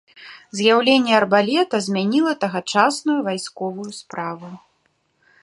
З'яўленне арбалета змяніла тагачасную вайсковую справу.